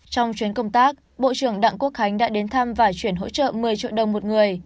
trong chuyến công tác bộ trưởng đặng quốc khánh đã đến thăm và chuyển hỗ trợ một mươi triệu đồng một người